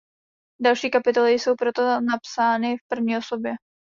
Další kapitoly jsou proto napsány v první osobě.